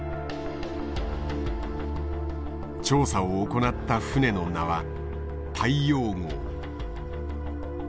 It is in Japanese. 調査を行った船の名は大洋号。